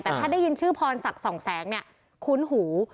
แต่ถ้าได้ยินชื่อพรศักดิ์สองแสงเนี่ยคุ้นหู